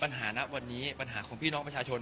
ณวันนี้ปัญหาของพี่น้องประชาชน